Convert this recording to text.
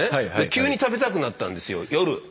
急に食べたくなったんですよ夜。